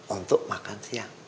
untuk makan siang